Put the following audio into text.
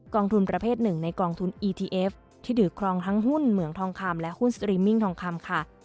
องทุนประเภทหนึ่งในกองทุนอีทีเอฟที่ถือครองทั้งหุ้นเหมืองทองคำและหุ้นสตรีมมิ่งทองคำค่ะ